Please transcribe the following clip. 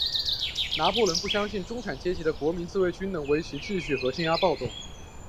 拿破仑不相信中产阶级的国民自卫军能够维持秩序和镇压暴动。